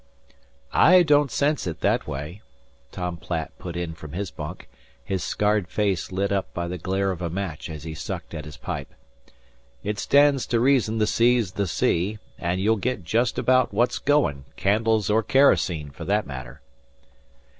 "I don't sense it that way," Tom Platt put in from his bunk, his scarred face lit up by the glare of a match as he sucked at his pipe. "It stands to reason the sea's the sea; and you'll get jest about what's goin', candles or kerosene, fer that matter."